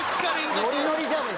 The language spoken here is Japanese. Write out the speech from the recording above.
ノリノリじゃねえか。